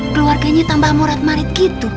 keluarganya tambah murad marid gitu